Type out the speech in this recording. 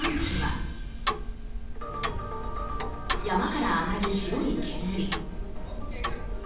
山から上がる白い煙。